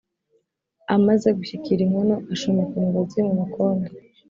amaze gushyikira inkono, ashumika umugozi mu mukondo